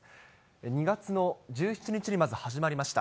２月の１７日にまず、始まりました。